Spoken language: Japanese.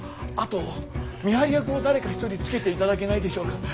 あと見張り役を誰か一人つけていただけないでしょうか。